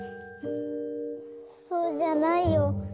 そうじゃないよ。